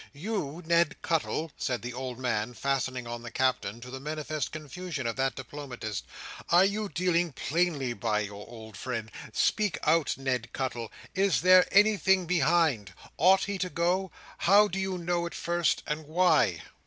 You, Ned Cuttle!" said the old man, fastening on the Captain, to the manifest confusion of that diplomatist; "are you dealing plainly by your old friend? Speak out, Ned Cuttle. Is there anything behind? Ought he to go? How do you know it first, and why?"